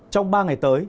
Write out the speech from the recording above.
trong ba ngày tới